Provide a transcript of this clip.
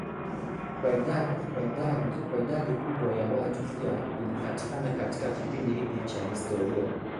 kwa idadi kubwa ya watu pia ilipatikana katika kipindi hiki cha historia